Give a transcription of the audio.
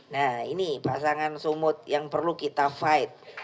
nah ini pasangan sumut yang perlu kita fight